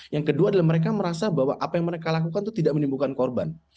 yang kedua adalah mereka merasa bahwa apa yang mereka lakukan itu tidak menimbulkan korban